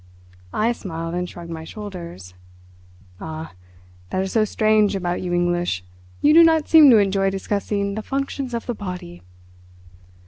I smiled and shrugged my shoulders. "Ah, that is so strange about you English. You do not seem to enjoy discussing the functions of the body.